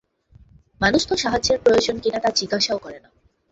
মানুষ তো সাহায্যের প্রয়োজন কিনা তা জিজ্ঞাসাও করে না।